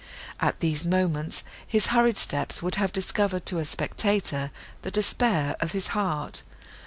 At these moments, his hurried steps would have discovered to a spectator the despair of his heart.